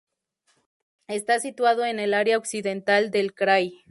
Está situado en el área occidental del krai.